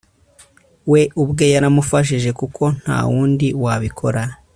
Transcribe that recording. we ubwe yaramufashaga kuko ntawundi wabikora